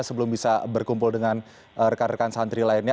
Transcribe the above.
sebelum bisa berkumpul dengan rekan rekan santri lainnya